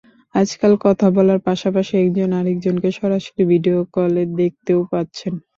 আজকাল কথা বলার পাশাপাশি একজন আরেকজনকে সরাসরি ভিডিও কলে দেখতেও পাচ্ছেন।